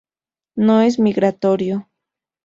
No es migratorio.